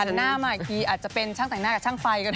หน้ามาอีกทีอาจจะเป็นช่างแต่งหน้ากับช่างไฟก็ได้